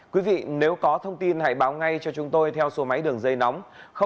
quý vị nếu có thông tin hãy báo ngay cho chúng tôi theo số máy đường dây nóng sáu mươi chín hai mươi năm